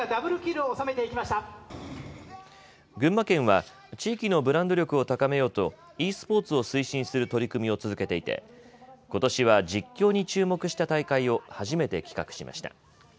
群馬県は地域のブランド力を高めようとｅスポーツを推進する取り組みを続けていてことしは実況に注目した大会を初めて企画しました。